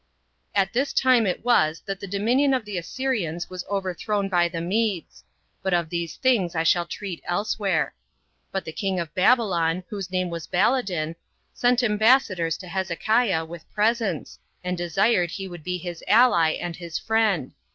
2. At this time it was that the dominion of the Assyrians was overthrown by the Medes; 6 but of these things I shall treat elsewhere. But the king of Babylon, whose name was Baladan, sent ambassadors to Hezekiah, with presents, and desired he would be his ally and his friend.